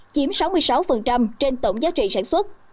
chiếm sáu mươi sáu trên tổng giá trị sản xuất